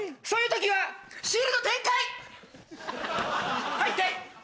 そういう時はシールド展開！